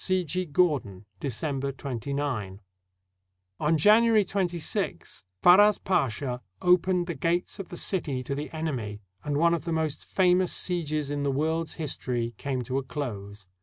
— C. G. Gordon. December 29." On January 26, Faraz Pasha opened the gates of the city to the enemy, and one of the most famous sieges in the world's history came to a close.